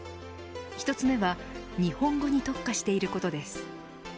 １つ目は日本語に特化していることです。